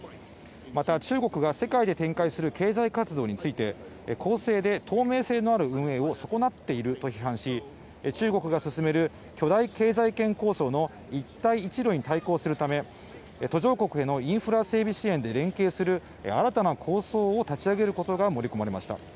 また、中国が世界で展開する経済活動について公正で透明性のある運営を損なっていると批判し中国が進める巨大経済圏構想の一帯一路に対抗するため途上国へのインフラ整備支援で連携する新たな構想を立ち上げることが盛り込まれました。